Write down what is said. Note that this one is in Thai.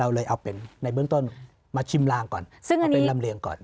เลยเอาเป็นในเบื้องต้นมาชิมลางก่อนซึ่งเอาเป็นลำเลียงก่อน